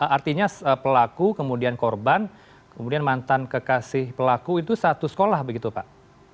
artinya pelaku kemudian korban kemudian mantan kekasih pelaku itu satu sekolah begitu pak